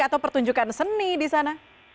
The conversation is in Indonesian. atau pertunjukan seni di sana